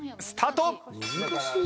スタート。